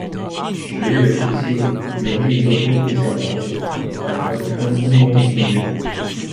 十月十七，元帝又恢复讲《老子》，百官穿军装听讲。